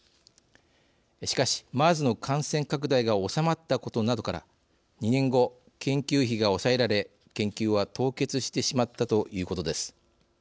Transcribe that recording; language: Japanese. しかしＭＥＲＳの感染拡大が収まったことなどから２年後、研究費が抑えられ研究は凍結してしまったということです。